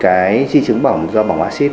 cái di chứng bỏng do bỏng acid